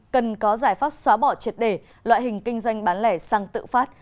cần có giải pháp xóa bỏ triệt để loại hình kinh doanh bán lẻ xăng tự phát